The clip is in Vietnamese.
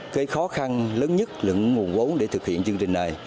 cái khó khăn lớn nhất là nguồn vốn để thực hiện chương trình này